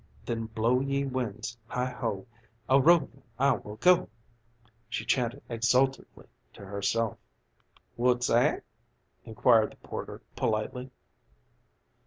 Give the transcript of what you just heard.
"Then blow, ye winds, heighho! A roving I will go," she chanted exultantly to herself. "What's 'at?" inquired the porter politely.